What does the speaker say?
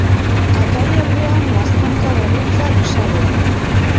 Atari-aurrean, laztanka dabiltza luzaroan.